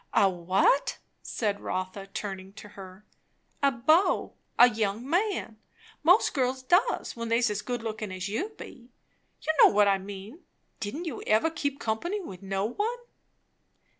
"A what?" said Rotha turning to her. "A beau. A young man. Most girls does, when they're as good lookin' as you be. You know what I mean. Didn't you never keep company with no one?"